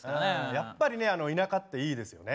やっぱりね田舎っていいですよね。